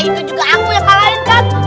itu juga aku yang kalahin kan